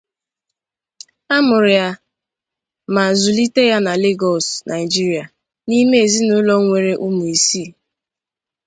A mụrụ ya ma zụlite ya na Lagos, Nigeria, n'ime n'ezinụlọ nwere ụmụ isii.